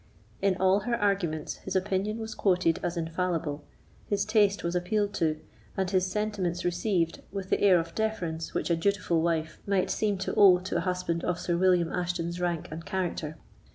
In all her arguments his opinion was quoted as infallible; his taste was appealed to, and his sentiments received, with the air of deference which a dutiful wife might seem to owe to a husband of Sir William Ashton's rank and character.